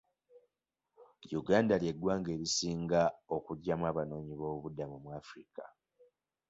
Uganda lye ggwanga erisinga okujjamu abanoonyiboobubudamu mu Africa.